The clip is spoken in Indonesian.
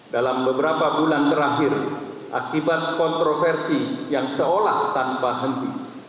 dalam beberapa bulan terakhir akibat kontroversi yang seolah tanpa henti